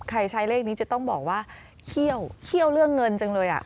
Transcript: ใช้เลขนี้จะต้องบอกว่าเขี้ยวเรื่องเงินจังเลย